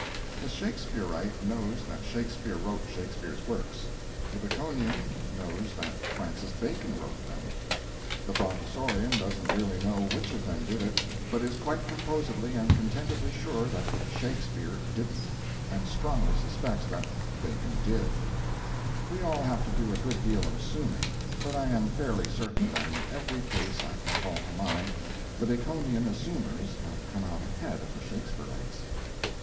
The Shakespearite knows that Shakespeare wrote Shakespeare's Works; the Baconian knows that Francis Bacon wrote them; the Brontosaurian doesn't really know which of them did it, but is quite composedly and contentedly sure that Shakespeare didn't, and strongly suspects that Bacon did. We all have to do a good deal of assuming, but I am fairly certain that in every case I can call to mind the Baconian assumers have come out ahead of the Shakespearites.